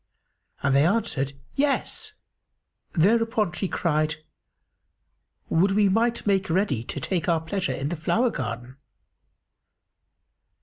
and they answered, "Yes!" Thereupon she cried, "Would we might make ready to take our pleasure in the flower garden!"